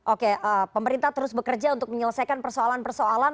oke pemerintah terus bekerja untuk menyelesaikan persoalan persoalan